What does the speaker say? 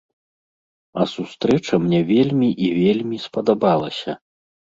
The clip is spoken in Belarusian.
А сустрэча мне вельмі і вельмі спадабалася.